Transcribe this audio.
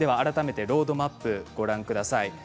ロードマップを見てください。